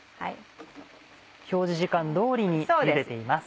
表示時間通りにゆでています。